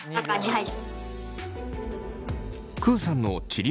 はい！